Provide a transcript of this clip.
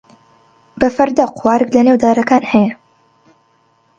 بە فەردە قوارگ لەنێو دارەکان هەیە.